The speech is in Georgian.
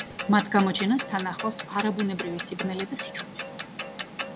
მათ გამოჩენას თან ახლავს არაბუნებრივი სიბნელე და სიჩუმე.